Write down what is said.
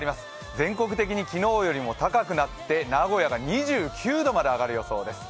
全国的に昨日よりも高くなって名古屋が２９度まで上がる予想です。